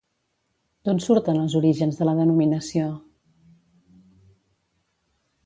D'on surten els orígens de la denominació?